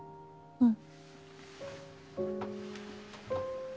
うん。